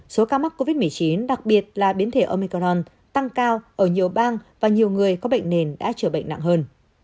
số ca mắc covid một mươi chín đặc biệt là biến thể omicron tăng cao ở nhiều bang và nhiều người có bệnh nền đã trở bệnh nặng hơn